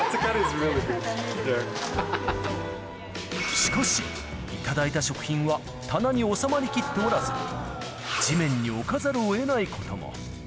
しかし、頂いた食品は棚に収まりきっておらず、地面に置かざるをえないことも。